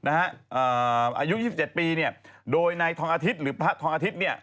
อายุ๒๗ปีโดยนายทองอาทิตย์หรือพระทองอาทิตย์เนี่ย